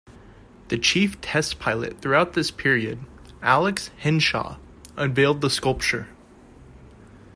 The Chief Test Pilot throughout this period, Alex Henshaw, unveiled the sculpture.